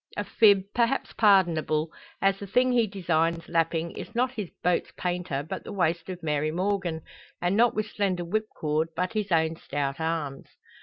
A fib, perhaps pardonable, as the thing he designs lapping is not his boat's painter, but the waist of Mary Morgan, and not with slender whipcord, but his own stout arms.